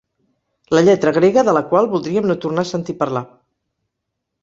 La lletra grega de la qual voldríem no tornar a sentir parlar.